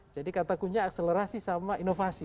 jadi kata kunci akselerasi sama inovasi